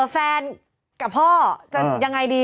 เผ่นกับเจ้าจะยังไงดี